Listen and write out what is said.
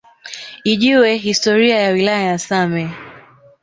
Ijue historia ya wilaya ya same